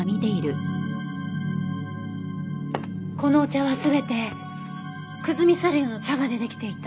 このお茶は全て久住茶寮の茶葉でできていた。